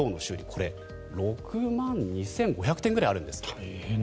これ、６万２５００点ぐらいあるんですって。